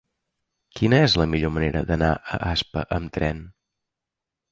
Quina és la millor manera d'anar a Aspa amb tren?